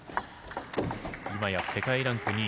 今や世界ランク２位。